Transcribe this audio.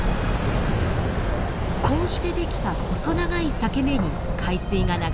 こうして出来た細長い裂け目に海水が流れ込みます。